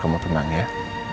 kamu tenang ya